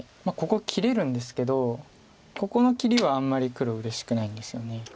ここ切れるんですけどここの切りはあんまり黒うれしくないんですよね。